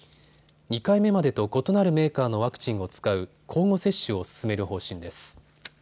２回目までと異なるメーカーのワクチンを使う交互接種を進める方針です。